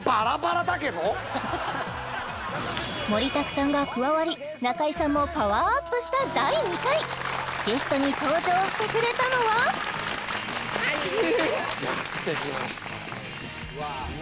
さんが加わり中居さんもパワーアップした第２回ゲストに登場してくれたのははいーやってきましたね